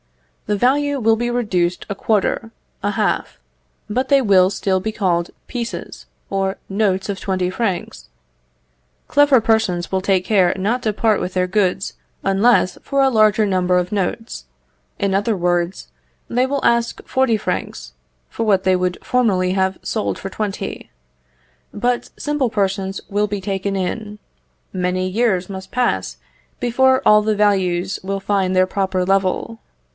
The value will be reduced a quarter, a half, but they will still be called pieces or notes of twenty francs. Clever persons will take care not to part with their goods unless for a larger number of notes in other words, they will ask forty francs for what they would formerly have sold for twenty; but simple persons will be taken in. Many years must pass before all the values will find their proper level.